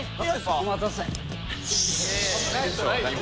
お待たせ。